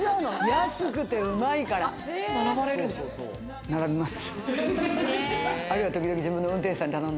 安くてうまいから、並びます。